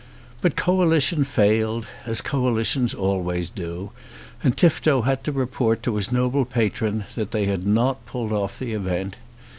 But Coalition failed, as coalitions always do, and Tifto had to report to his noble patron that they had not pulled off the event.